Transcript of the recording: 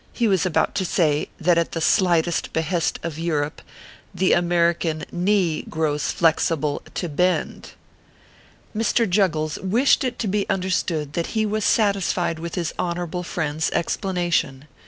He was about to say, that at the slightest behest of Europe " the American knee grows flexible to bend." Mr. JUGGLES wished it to be understood that he was satisfied with his Honorable friend s explanation.